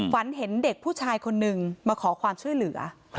ฝันเห็นเด็กผู้ชายคนนึงมาขอความช่วยเหลือ